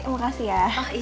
kamu beres ya